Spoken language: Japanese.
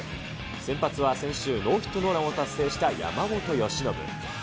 先発は先週、ノーヒットノーランを達成した山本由伸。